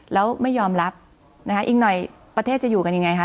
แล้วไม่ยอมรับนะคะอีกหน่อยประเทศจะอยู่กันยังไงคะ